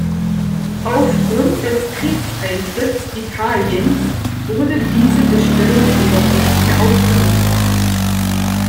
Auf Grund des Kriegseintritts Italiens wurde diese Bestellung jedoch nicht mehr ausgeliefert.